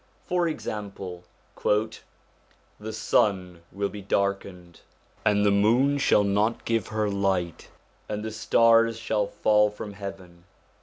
For example, ' The sun will be darkened, and the moon shall not give her light, and the stars shall fall from heaven.